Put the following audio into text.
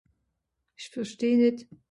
Ìch versteh nìt